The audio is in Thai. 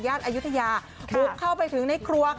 ยาตน์อายุตะยาบุ๊บเข้าไปถึงในครั้ว